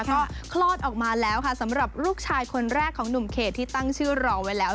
ก็คลอดออกมาแล้วค่ะสำหรับลูกชายคนแรกของหนุ่มเขตที่ตั้งชื่อรอไว้แล้ว